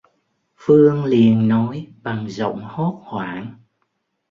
Phương liền nói bằng giọng hốt hoảng